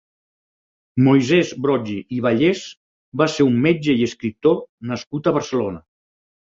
Moisès Broggi i Vallès va ser un metge i escriptor nascut a Barcelona.